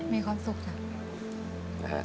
มีความสุขค่ะ